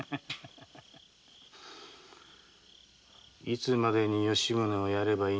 いつまでに吉宗をやればいいんです？